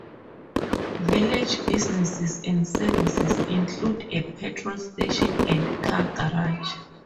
Village businesses and services include a petrol station and car garage.